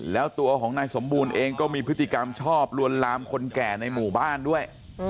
แล้วตัวของนายสมบูรณ์เองก็มีพฤติกรรมชอบลวนลามคนแก่ในหมู่บ้านด้วย